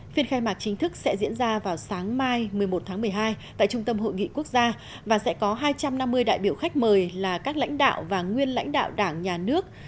phiên khai mạc chính thức sẽ diễn ra vào sáng mai một mươi một tháng một mươi hai tại trung tâm hội nghị quốc gia và sẽ có hai trăm năm mươi đại biểu khách mời là các lãnh đạo và nguyên lãnh đạo đảng nhà nước